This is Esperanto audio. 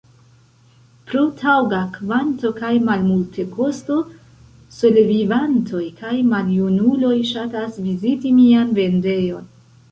Pro taŭga kvanto kaj malmultekosto solevivantoj kaj maljunuloj ŝatas viziti mian vendejon.